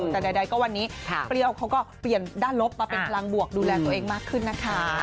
แต่ใดก็วันนี้เปรี้ยวเขาก็เปลี่ยนด้านลบมาเป็นพลังบวกดูแลตัวเองมากขึ้นนะคะ